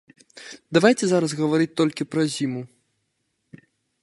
Давайце зараз гаварыць толькі пра зіму.